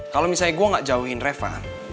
kalau misalnya gue gak jauhin reva